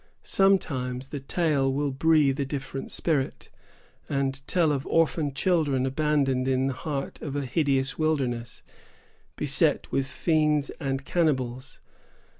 Sometimes the tale will breathe a different spirit, and tell of orphan children abandoned in the heart of a hideous wilderness, beset with fiends and cannibals.